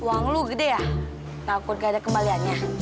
uang lu gede ya takut gak ada kembaliannya